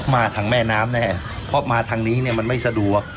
มาทางแม่น้ำแน่เพราะมาทางนี้เนี่ยมันไม่สะดวก